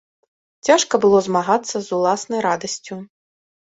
Цяжка было змагацца з уласнай радасцю.